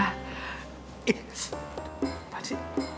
ih apa sih